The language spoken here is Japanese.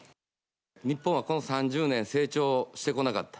日本はこの３０年、成長してこなかった。